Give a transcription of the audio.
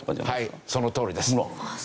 はいそのとおりです。